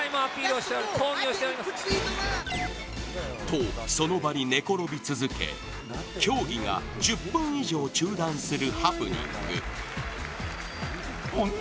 と、その場に寝転び続け競技が１０分以上中断するハプニング。